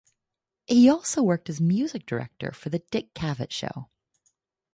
He also worked as music director for the "Dick Cavett Show".